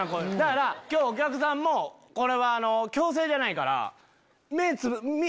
今日お客さんもこれは強制じゃないから。